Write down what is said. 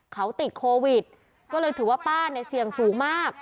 เขาติดโควิดก็เลยถือว่าป้าเนี่ยเสี่ยงสูงมาก